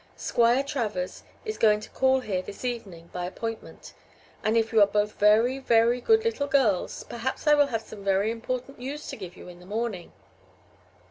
"Squire Travers is going to call here this evening by appointment. And if you are both very, very good little girls, perhaps I will have some very important news to give you in the morning."